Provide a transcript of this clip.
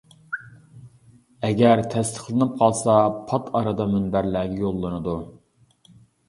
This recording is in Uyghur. ئەگەر تەستىقلىنىپ قالسا پات ئارىدا مۇنبەرلەرگە يوللىنىدۇ.